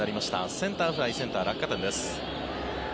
センターフライセンター、落下点です。